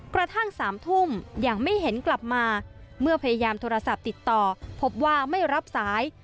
กระทั่ง๓ทุ่มยังไม่เห็นกลับมาเมื่อพยายามโทรศัพท์ติดต่อพบว่าไม่รับสาย